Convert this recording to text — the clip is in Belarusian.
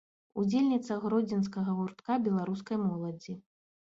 Удзельніца гродзенскага гуртка беларускай моладзі.